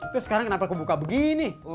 terus sekarang kenapa aku buka begini